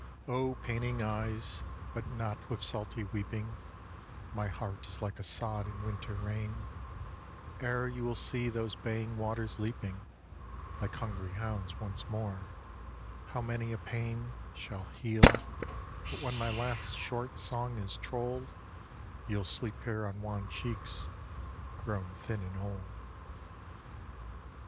131 132 AFTER MY LAST SONG Oh paining eyes, but not with salty weeping, My heart is like a sod in winter rain ; Ere you will see those baying waters leaping Like hungry hounds once more, how many a pain Shall heal; but when my last short song is trolled You'll sleep here on wan cheeks grown thin and old.